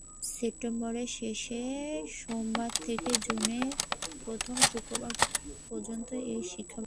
সেপ্টেম্বরের শেষ সোমবার থেকে জুনের প্রথম শুক্রবার পর্যন্ত এর শিক্ষাবর্ষ।